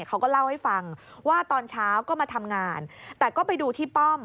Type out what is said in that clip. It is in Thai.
เขาก็เล่าให้ฟังว่าตอนเช้าก็มาทำงานแต่ก็ไปดูที่ป้อม